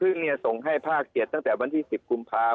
พึ่งเนี่ยส่งให้ภาคเจ็ดตั้งแต่วันที่สิบกุมภาคม